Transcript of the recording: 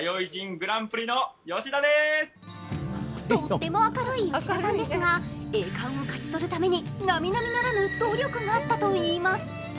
とっても明るい吉田さんですが、栄冠を勝ち取るためになみなみならぬ努力があったといいます。